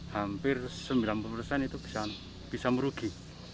hampir sembilan puluh persen itu bisa merugi